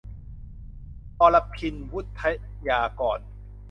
อรพิณ วุฑฒยากร